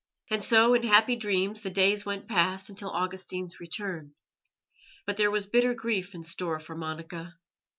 And so in happy dreams the days went past until Augustine's return; but there was bitter grief in store for Monica.